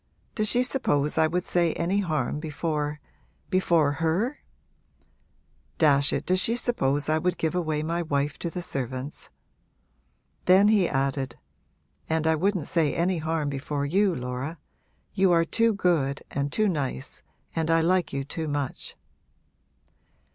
Does she suppose I would say any harm before before her? Dash it, does she suppose I would give away my wife to the servants?' Then he added, 'And I wouldn't say any harm before you, Laura. You are too good and too nice and I like you too much!'